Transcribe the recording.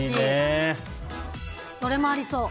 どれもありそう。